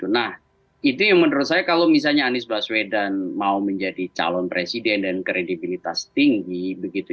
nah itu yang menurut saya kalau misalnya anies baswedan mau menjadi calon presiden dan kredibilitas tinggi begitu